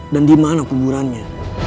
dan dimana kuburannya